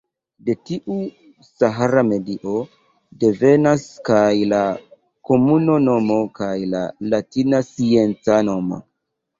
De tiu sahara medio devenas kaj la komuna nomo kaj la latina scienca nomo.